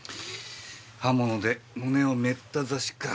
刃物で胸をメッタ刺しか。